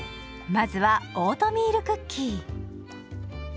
まずはオートミールクッキー。